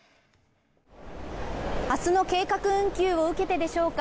明日の計画運休を受けてでしょうか。